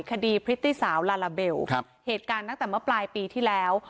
พริตตี้สาวลาลาเบลเหตุการณ์ตั้งแต่เมื่อปลายปีที่แล้ว